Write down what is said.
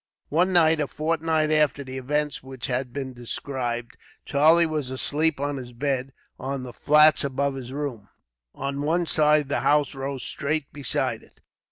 One night, a fortnight after the events which have been described, Charlie was asleep on his bed, on the flats above his room. On one side the house rose straight beside it.